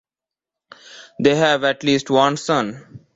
They have at least one son.